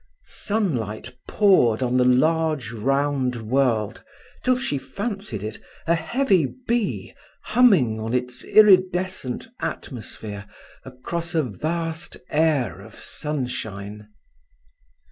Sunlight poured on the large round world till she fancied it a heavy bee humming on its iridescent atmosphere across a vast air of sunshine.